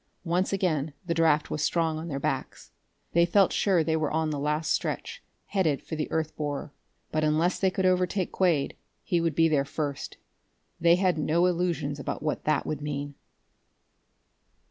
Once again the draft was strong on their backs. They felt sure they were on the last stretch, headed for the earth borer. But, unless they could overtake Quade, he would be there first. They had no illusions about what that would mean....